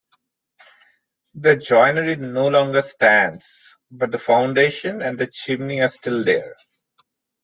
The Joinery no longer stands, but the foundation and the chimney are still there.